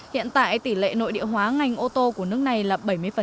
hiện tại tỷ lệ nội địa hóa ngành ô tô của nước này là bảy mươi